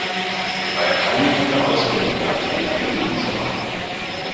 Da er keine gute Ausbildung hat, nimmt er jeden Job an.